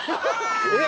えっ？